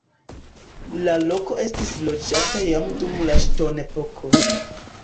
La loko estis loĝata jam dum la ŝtonepoko.